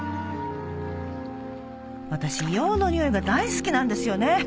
私硫黄の匂いが大好きなんですよね